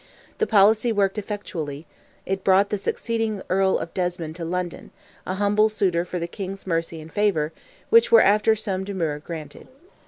The policy worked effectually; it brought the succeeding Earl of Desmond to London, an humble suitor for the King's mercy and favour, which were after some demur granted.